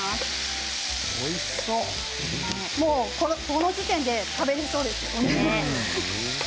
この時点で食べられそうですよね。